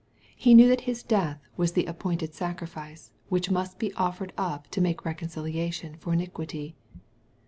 He knew that His death was the appointed sacrifice, which must be offered up to make reconciliation for iniquity.